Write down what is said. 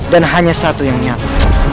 dan hanya satu yang nyata